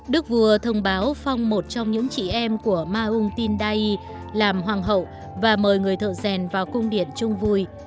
đức vua thông báo phong một trong những chị em của maung tindai làm hoàng hậu và mời người thờ rèn vào cung điện chung vui